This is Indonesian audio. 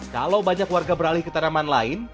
kalau banyak warga beralih ke tanaman lain